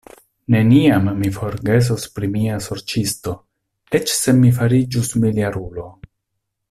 Neniam mi forgesos pri mia sorĉisto, eĉ se mi fariĝus miljarulo.